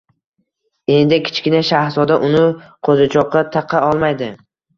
Endi Kichkina shahzoda uni qo'zichoqqa taqa olmaydi.